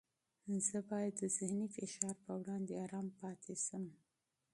زه باید د ذهني فشار په وړاندې ارام پاتې شم.